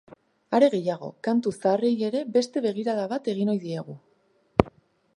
Are gehiago, kantu zaharrei ere beste begirada bat egin ohi diegu.